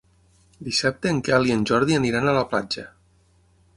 Dissabte en Quel i en Jordi aniran a la platja.